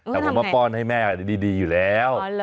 แต่ผมว่าป้อนให้แม่ดีอยู่แล้ว